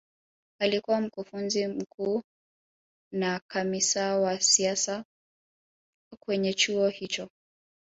alikuwa mkufunzi mkuu na kamisaa wa siasa kwenye chuo hicho